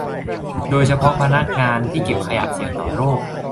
โดยเฉพาะพนักงานเก็บขยะที่เสี่ยงต่อโรค